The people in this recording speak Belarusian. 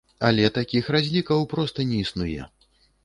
Але такіх разлікаў проста не існуе.